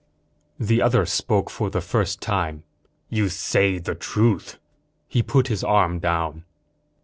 The other spoke for the first time. "You say the truth." He put his arm down.